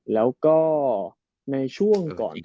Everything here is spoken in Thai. แล้วก็ในช่วงก่อน